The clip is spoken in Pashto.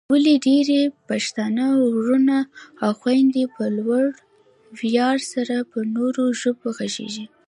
ولې ډېرای پښتانه وروڼه او خويندې په لوړ ویاړ سره په نورو ژبو غږېږي؟